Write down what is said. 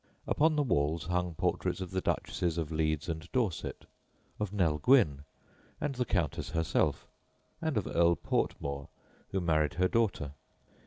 Upon the walls hung portraits of the Duchesses of Leeds and Dorset, of Nell Gwyn and the Countess herself, and of Earl Portmore, who married her daughter.